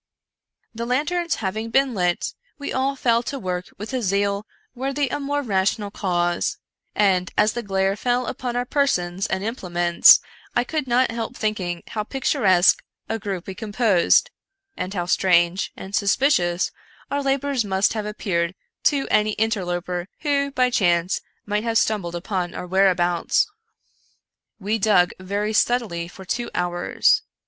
The lanterns having been lit, we all fell to work with a zeal worthy a more rational cause ; and, as the glare fell upon our persons and implements, I could not help think ing how picturesque a group we composed, and how strange and suspicious our labors must have appeared to any inter loper who, by chance, might have stumbled upon our whereabouts. We dug very steadily for two hours.